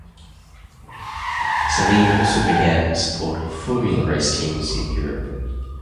Saleen also began support of formula race teams in Europe.